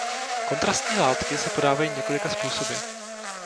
Kontrastní látky se podávají několika způsoby.